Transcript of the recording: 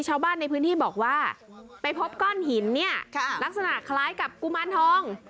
ชาวบ้านในพื้นที่บอกว่าไปพบก้อนหินเนี่ยลักษณะคล้ายกับกุมารทอง